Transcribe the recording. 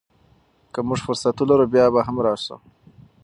که موږ فرصت ولرو، بیا به هم راشو.